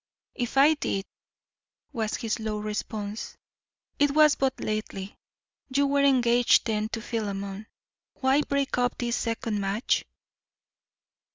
"If I did," was his low response, "it was but lately. You were engaged then to Philemon. Why break up this second match?"